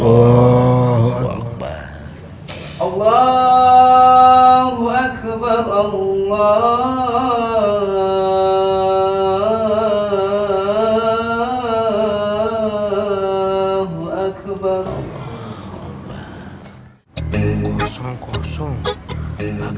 allahu akbar allahu akbar